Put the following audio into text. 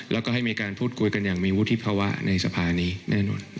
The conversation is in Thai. แล้วก็ให้มีการพูดคุยกันอย่างมีวุฒิภาวะในสภานี้แน่นอน